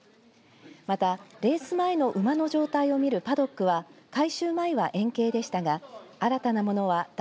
また、レース前の馬の状態を見るパドックは改修前は円形でしたが新たなものはだ